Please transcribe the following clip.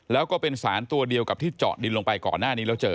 แล้วก็เป็นสารตัวเดียวกับที่เจาะดินลงไปก่อนหน้านี้แล้วเจอ